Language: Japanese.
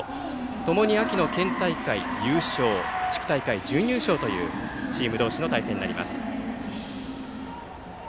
ともに秋の県大会優勝地区大会準優勝というチーム同士の対戦になります。